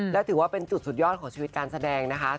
และถือว่าเป็นจุดสุดยอดของชีวิตการแสดงนะคะ